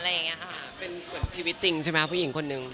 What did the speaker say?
เป็นชีวิตจริงใช่มั้ยผู้หญิงคนนึง